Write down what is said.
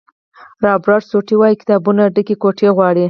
رابرټ سوټي وایي کتابونو ډکه کوټه غواړي.